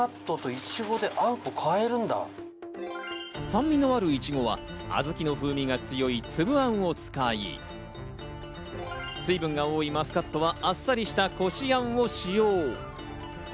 酸味のある、いちごは小豆の風味が強いつぶあんを使い、水分が多いマスカットはあっさりしたこしあんを使用。